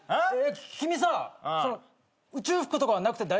君さ宇宙服とかはなくて大丈夫なの？